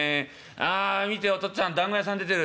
ああ見てお父っつぁんだんご屋さん出てる。